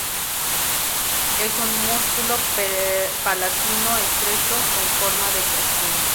Es un músculo palatino estrecho, con forma de creciente.